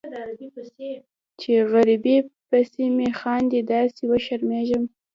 چې غریبۍ پسې مې خاندي داسې وشرمیږم